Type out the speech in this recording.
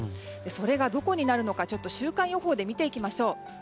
それがどこになるのか週間予報で見ていきましょう。